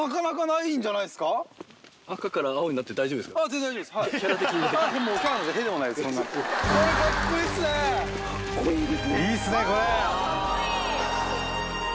いいっすねこれ！